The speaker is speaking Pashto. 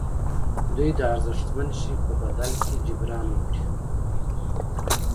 دوی د ارزښتمن شي په بدل کې جبران وکړي.